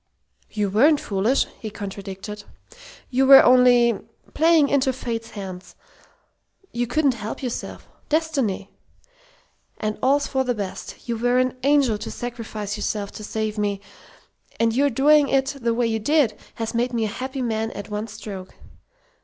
"You weren't foolish!" he contradicted. "You were only playing into Fate's hands. You couldn't help yourself. Destiny! And all's for the best. You were an angel to sacrifice yourself to save me, and your doing it the way you did has made me a happy man at one stroke.